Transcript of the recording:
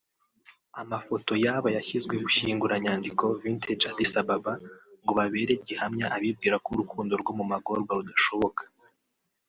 Amafoto y’ aba yashyizwe bushyinguranyandiko ‘Vintage Addis Ababa’ ngo babere gihamya abibwira ko urukundo rwo mu magorwa rudashoboka